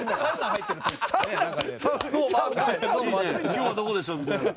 今日はどこでしょう？みたいな。